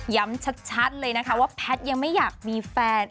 ชัดเลยนะคะว่าแพทย์ยังไม่อยากมีแฟน